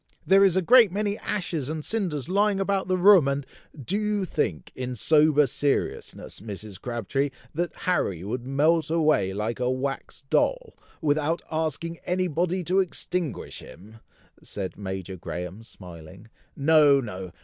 There is a great many ashes and cinders lying about the room, and " "Do you think, in sober seriousness, Mrs. Crabtree, that Harry would melt away like a wax doll, without asking any body to extinguish him?" said Major Graham, smiling. "No! no!